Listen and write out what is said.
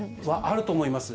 あると思います。